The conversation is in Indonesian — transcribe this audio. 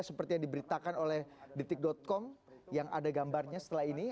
seperti yang diberitakan oleh detik com yang ada gambarnya setelah ini